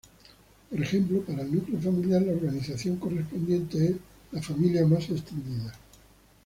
Por ejemplo para el núcleo familiar, la organización correspondiente es la familia más extendida.